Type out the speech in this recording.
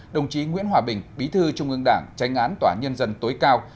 đồng chí nguyễn hòa bình bí thư trung ương đảng tranh án tòa nhân dân tối cao